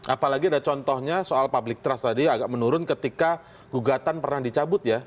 apalagi ada contohnya soal public trust tadi agak menurun ketika gugatan pernah dicabut ya